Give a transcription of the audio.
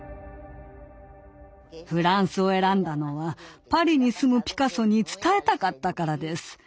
フランスを選んだのはパリに住むピカソに伝えたかったからです。